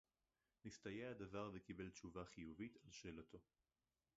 נסתייע הדבר וקיבל תשובה חיובית על שאלתו